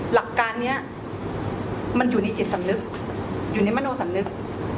หลักการนี้มันอยู่ในจิตสำนึกอยู่ในมโนสำนึก